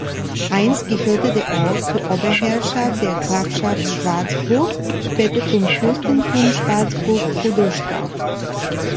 Einst gehörte der Ort zur Oberherrschaft der Grafschaft Schwarzburg, später zum Fürstentum Schwarzburg-Rudolstadt.